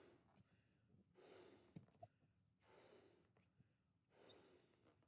Ellenberger perdió la pelea por sumisión en la primera ronda.